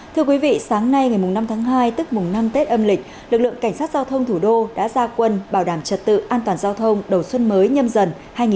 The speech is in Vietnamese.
thưa quý vị sáng nay ngày năm tháng hai tức mùng năm tết âm lịch lực lượng cảnh sát giao thông thủ đô đã ra quân bảo đảm trật tự an toàn giao thông đầu xuân mới nhâm dần hai nghìn hai mươi bốn